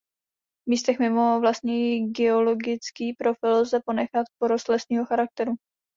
V místech mimo vlastní geologický profil lze ponechat porost lesního charakteru.